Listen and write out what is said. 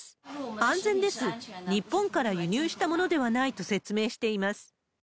安全です、日本から輸入したものではないと説明しています。